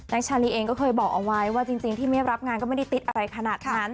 ชาลีเองก็เคยบอกเอาไว้ว่าจริงที่ไม่รับงานก็ไม่ได้ติดอะไรขนาดนั้น